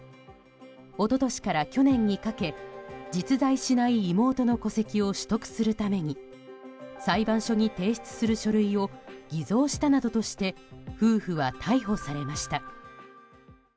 一昨年から去年にかけ実在しない妹の戸籍を取得するために裁判所に提出する書類を偽造したなどとして夫婦は逮捕されました。